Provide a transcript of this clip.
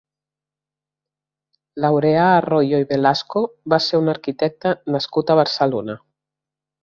Laureà Arroyo i Velasco va ser un arquitecte nascut a Barcelona.